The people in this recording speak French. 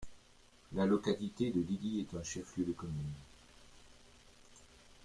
La localité de Liliy est un chef-lieu de commune.